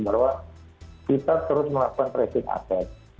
bahwa kita terus melakukan tracing aset